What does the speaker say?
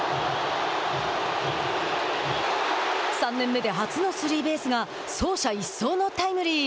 ３年目で初のスリーベースが走者一掃のタイムリー。